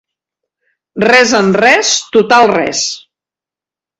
Res en res, total res.